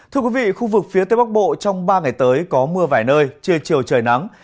thưa quý vị khu vực phía tây bắc bộ trong ba ngày tới có mưa vải nơi trời trời nắng